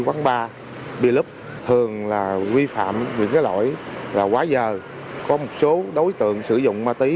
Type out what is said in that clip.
quán bar bia lúp thường là vi phạm những cái lỗi là quá dờ có một số đối tượng sử dụng ma tí